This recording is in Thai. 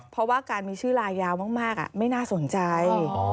เพราะว่าการมีชื่อลายยาวมากไม่น่าสนใจ